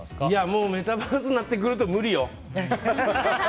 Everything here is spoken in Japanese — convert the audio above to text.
もうメタバースになってくると無理よ。